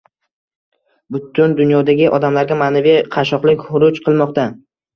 Butun dunyodagi odamlarga ma’naviy qashshoqlik xuruj qilmoqda.